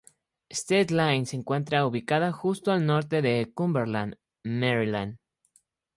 State Line se encuentra ubicada justo al norte de Cumberland, Maryland.